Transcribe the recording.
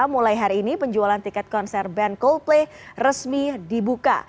mulai hari ini penjualan tiket konser band coldplay resmi dibuka